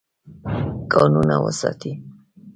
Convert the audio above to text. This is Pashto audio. کانونه وساتئ.